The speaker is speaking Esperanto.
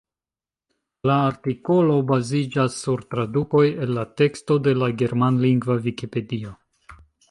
La artikolo baziĝas sur tradukoj el la teksto de la germanlingva vikipedio.